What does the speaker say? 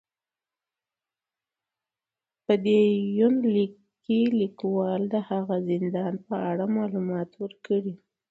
په دې يونليک کې ليکوال د هغه زندان په اړه معلومات ور کړي